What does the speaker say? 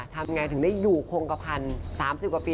ทำยังไงถึงได้อยู่คงกระพันธุ์๓๐กว่าปี